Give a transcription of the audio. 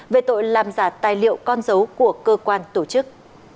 về tội làm giả tài liệu con dấu của cơ quan tổ chức